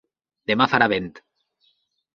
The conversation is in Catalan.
Demà farà vent.